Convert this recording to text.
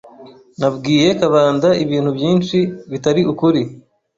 Nabwiye Kabanda ibintu byinshi bitari ukuri.